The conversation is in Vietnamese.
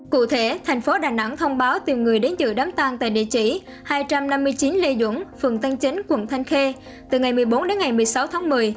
cụ thể thành phố đà nẵng thông báo tìm người đến dự đám tan tại địa chỉ hai trăm năm mươi chín lê dũng phường tân chánh quận thanh khê từ ngày một mươi bốn đến ngày một mươi sáu tháng một mươi